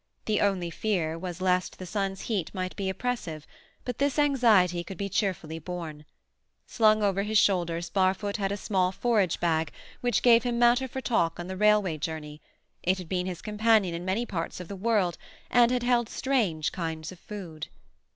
The only fear was lest the sun's heat might be oppressive, but this anxiety could be cheerfully borne. Slung over his shoulders Barfoot had a small forage bag, which gave him matter for talk on the railway journey; it had been his companion in many parts of the world, and had held strange kinds of food.